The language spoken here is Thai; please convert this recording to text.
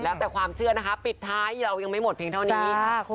แล้วแต่ความเชื่อนะคะปิดท้ายเรายังไม่หมดเพียงเท่านี้